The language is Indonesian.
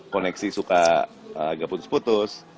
koneksi suka agak putus putus